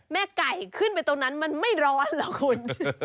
แม่ไก่ขึ้นไปตรงนั้นมันไม่ร้อนหรอกคุณ